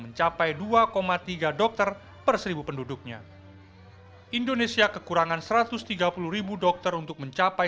mencapai dua tiga dokter perseribu penduduknya indonesia kekurangan satu ratus tiga puluh dokter untuk mencapai